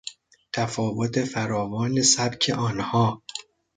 تفاوت فراوان سبک آنها